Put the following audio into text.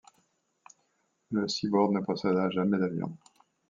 Le Seaboard ne posséda jamais d'avions.